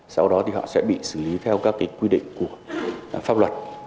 sau đó thì họ sẽ bị xử lý theo các quy định của pháp luật